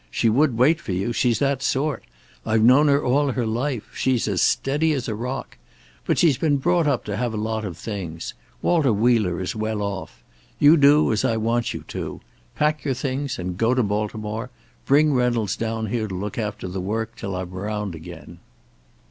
"She would wait for you. She's that sort. I've known her all her life. She's as steady as a rock. But she's been brought up to have a lot of things. Walter Wheeler is well off. You do as I want you to; pack your things and go to Baltimore. Bring Reynolds down here to look after the work until I'm around again."